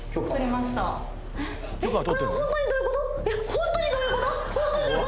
ホントにどういうこと？